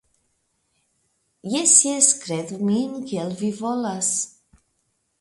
Jes, jes, kredu min kiel vi volas.